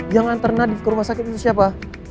yang nganter nadif ke rumah sakit itu siapa